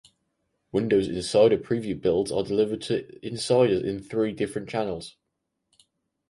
Windows Insider Preview builds are delivered to Insiders in three different channels.